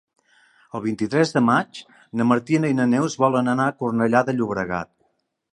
El vint-i-tres de maig na Martina i na Neus volen anar a Cornellà de Llobregat.